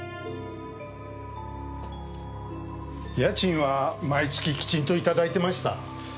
家賃は毎月きちんといただいてました。